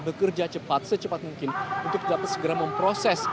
bekerja cepat secepat mungkin untuk dapat segera memproses